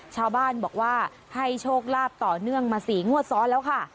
ชาวบ้านบอกว่าให้โชคลาภต่อเนื่องมา๔งวดซ้อนแล้วค่ะ